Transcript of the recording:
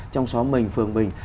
trong xóm mình phường mình